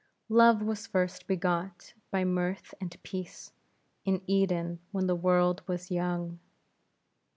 Love was first begot by Mirth and Peace, in Eden, when the world was young.